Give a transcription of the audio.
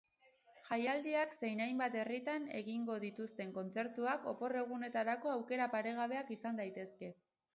Jaialdiak zein hainbat herritan egingo dituzten kontzertuak opor-egunetarako aukera paregabeak izan daitezke.